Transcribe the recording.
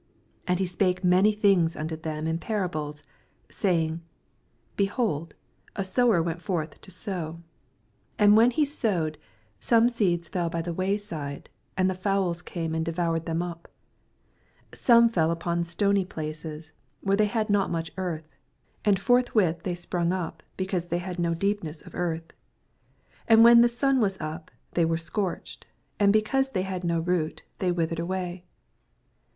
8 And he spake many things unto them in parables, saying. Behold, a sower went forth to sow 4 And when he sowed, some seeds fell by the way side, ard the fowls came and devoured then, up : 5 Some fell upon stony places, where they had not mueh earth : and forthwith they sprung up, because they had no deepness oi earth : 6 And when the sun was up, they were scorched ; and because they had no root, they withered away.